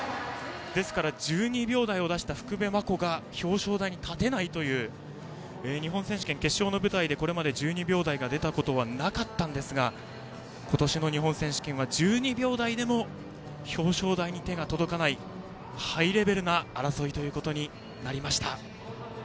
ですから１２秒台を出した福部真子が表彰台に立てないという日本選手権決勝の舞台でこれまで１２秒台が出たことはなかったんですが今年の日本選手権は１２秒台でも表彰台に手が届かないというハイレベルな争いでした。